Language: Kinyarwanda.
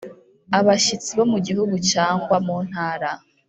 Abashyitsi bo mu gihugu cyangwa muntara